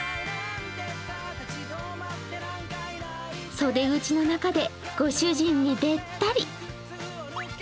袖口の中でご主人にべったり。